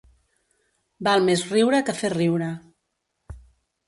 Val més riure que fer riure.